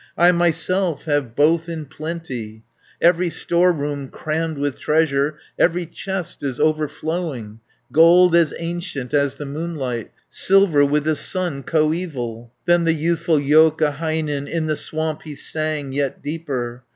I myself have both in plenty. Every storeroom crammed with treasure. Every chest is overflowing. 420 Gold as ancient as the moonlight, Silver with the sun coeval." Then the youthful Joukahainen In the swamp he sang yet deeper.